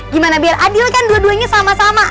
gimana biar adil kan dua duanya sama sama